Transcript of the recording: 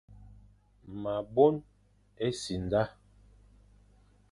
Ma bôn-e-simda,